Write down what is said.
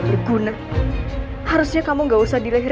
disini bukan tempat tidur